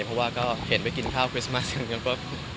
เพราะว่าก็เห็นไปกินข้าวคริสต์มัสกันแล้วก็